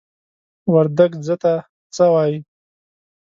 وردگ "ځه" ته "څَ" وايي.